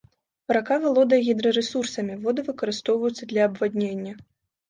Рака валодае гідрарэсурсамі, воды выкарыстоўваюцца для абваднення.